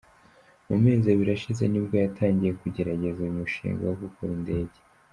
Mu mezi abiri ashize nibwo yatangiye kugerageza uyu mushinga wo gukora indege.